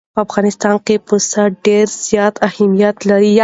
په افغانستان کې پسه ډېر زیات اهمیت لري.